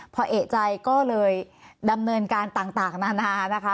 พอเอกใจก็เลยดำเนินการต่างนานานะคะ